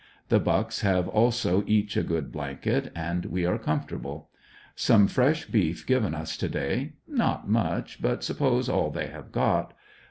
The Bucks have also each a good blanket, and we are comfortable. Some fresh beef given us to day; not much, ^but suppose all they have got.